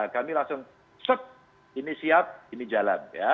kami langsung sep ini siap ini jalan